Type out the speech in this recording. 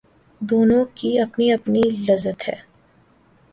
دونوں کی اپنی اپنی لذت ہے